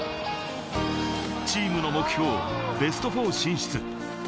チームの目標、ベスト４進出。